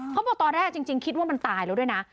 เขาบอกตอนแรกจริงคิดว่ามันตายแล้วด้วยนะ